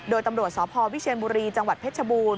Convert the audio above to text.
โดยตำรวจสพวิเชียนบุรีจังหวัดเพชรบูรณ